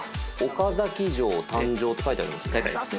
「岡崎城誕生」って書いてありますね。